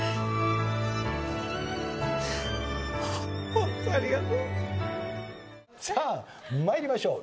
「ホントありがとう」さあ参りましょう。